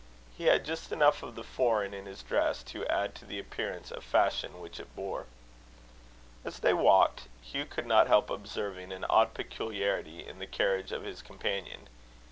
He had just enough of the foreign in his dress to add to the appearance of fashion which it bore. As they walked, Hugh could not help observing an odd peculiarity in the carriage of his companion.